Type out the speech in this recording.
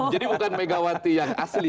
jadi bukan megawati yang asli